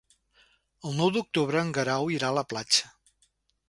El nou d'octubre en Guerau irà a la platja.